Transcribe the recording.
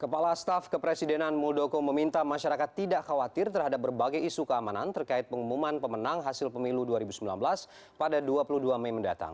kepala staf kepresidenan muldoko meminta masyarakat tidak khawatir terhadap berbagai isu keamanan terkait pengumuman pemenang hasil pemilu dua ribu sembilan belas pada dua puluh dua mei mendatang